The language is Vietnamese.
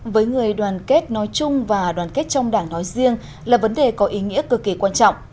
với người đoàn kết nói chung và đoàn kết trong đảng nói riêng là vấn đề có ý nghĩa cực kỳ quan trọng